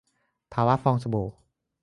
ภาวะฟองสบู่